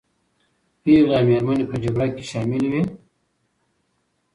پېغلې او مېرمنې په جګړه کې شاملي وې.